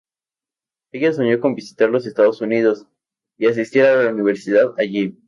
Ella soñó con visitar los Estados Unidos y asistir a la Universidad allí.